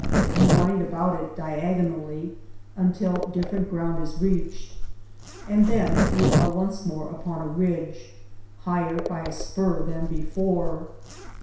You wind about it diagonally until different ground is reached, and then you are once more upon a ridge — higher by a spur than before.